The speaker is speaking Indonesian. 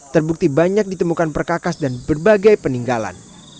terbukti banyak ditemukan perkakas dan berbagai peninggalan